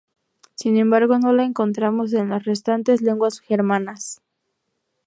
Sin embargo, no la encontramos en las restantes lenguas germanas.